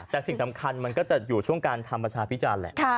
แต่สิ่งสำคัญมันก็จะอยู่ช่วงการทำประชาพิจารณ์แหละ